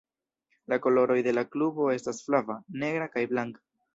La koloroj de la klubo estas flava, negra, kaj blanka.